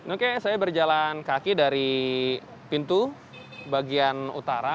oke saya berjalan kaki dari pintu bagian utara